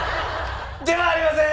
ではありません！